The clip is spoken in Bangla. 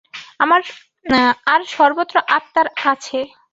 আর সর্বত্র আত্মার কাছে।